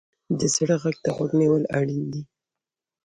د زړه غږ ته غوږ نیول اړین دي.